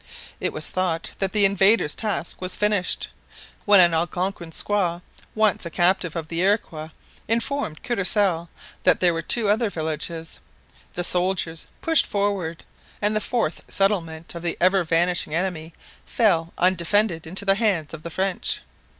It was thought that the invaders' task was finished, when an Algonquin squaw, once a captive of the Iroquois, informed Courcelle that there were two other villages. The soldiers pushed forward, and the fourth settlement of the ever vanishing enemy fell undefended into the hands of the French.